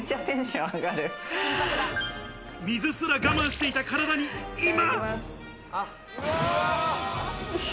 水すら我慢していた体に今。